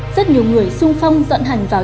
rất nhiều người sung phong dọn hành vào